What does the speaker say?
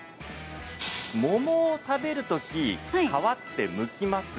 桃を食べるとき皮ってむきます？